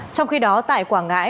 trong khi đó tại quảng ngãi